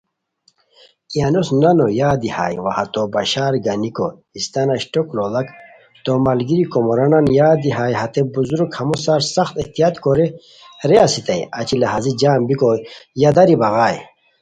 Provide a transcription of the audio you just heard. ای انوس نانو یادی ہائے وا ہتو بشاروگانیکو استانہ اشٹوک لوڑاک تو ملگیری کومورانان یادی ہائے ہتے بزرگ ہمو سار سخت احتیاط کورے رے استائے اچی لہازی جم بیکو یاداری بغائے